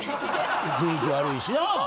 雰囲気悪いしなぁ。